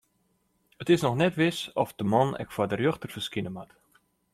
It is noch net wis oft de man ek foar de rjochter ferskine moat.